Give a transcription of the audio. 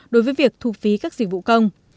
đối với việc thu phí các dịch vụ công